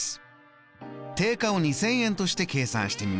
定価を２０００円として計算してみましょう。